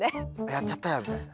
やっちゃったよみたいな。